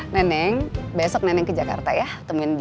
neneng besok neneng ke jakarta ya